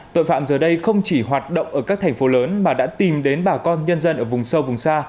tội phạm giờ đây không chỉ hoạt động ở các thành phố lớn mà đã tìm đến bà con nhân dân ở vùng sâu vùng xa